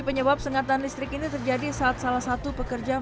penyebab sengatan listrik ini terjadi saat salah satu pekerjaan